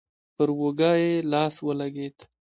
پر اوږه يې لاس ولګېد.